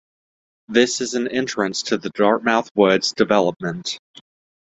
This is an entrance to the Dartmouth Woods development.